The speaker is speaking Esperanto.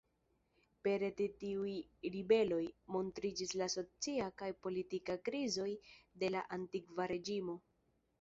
Pere de tiuj ribeloj, montriĝis la socia kaj politika krizoj de la Antikva Reĝimo.